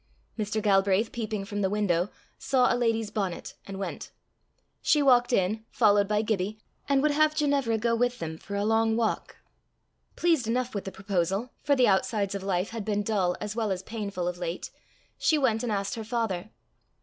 Mr. Galbraith peeping from the window, saw a lady's bonnet, and went. She walked in, followed by Gibbie, and would have Ginevra go with them for a long walk. Pleased enough with the proposal, for the outsides of life had been dull as well as painful of late, she went and asked her father.